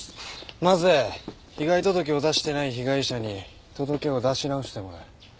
まず被害届を出してない被害者に届けを出し直してもらう。